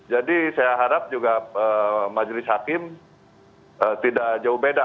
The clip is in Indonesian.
jadi saya harap juga majelis hakim tidak jauh beda